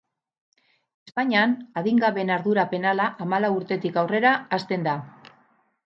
Espainian, adingabeen ardura penala hamalau urtetik aurrera hasten da.